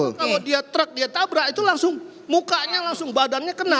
kalau dia truk dia tabrak itu langsung mukanya langsung badannya kena